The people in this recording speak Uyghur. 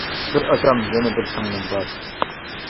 بىر ئاكام يەنە بىر سىڭلىم بار.